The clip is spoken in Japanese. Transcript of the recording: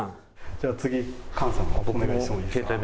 じゃあ次菅さんお願いしてもいいですか？